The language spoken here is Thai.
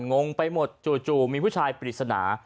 งงไปหมดจู่มีผู้ชายปริศนา